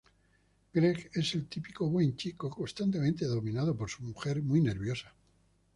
Greg es el típico "buen chico", constantemente dominado por su mujer muy nerviosa.